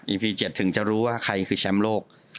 พี๗ถึงจะรู้ว่าใครคือแชมป์โลก